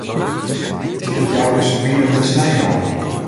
De útjouwers wiene der slij nei.